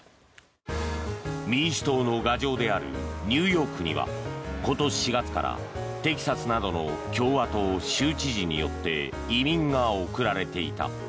民主党の牙城であるニューヨークには今年４月から、テキサスなどの共和党州知事によって移民が送られていた。